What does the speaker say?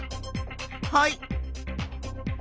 はい。